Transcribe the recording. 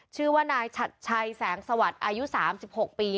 ชื่อว่านายฉัยแสงสวัตย์อายุ๓๖ปี